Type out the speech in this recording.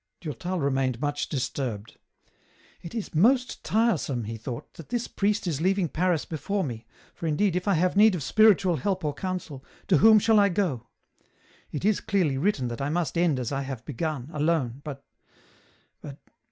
Durtal remained much disturbed. " It is most tiresome," he thought, " that this priest is leaving Paris before me, for indeed if I have need of spiritual help or counsel, to whom shall I go ? It is clearly written that I must end as I have begun, alone, but ,.. but